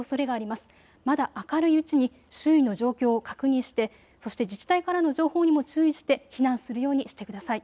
まだ明るいうちに周囲の状況を確認して、そして自治体からの情報にも注意して避難するようにしてください。